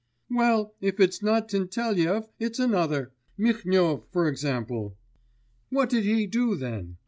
'Well, if it's not Tentelyev, it's another. Mihnyov, for example.' 'What did he do then?